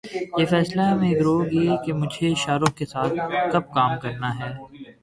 یہ فیصلہ میں کروں گی کہ مجھے شاہ رخ کے ساتھ کب کام کرنا ہے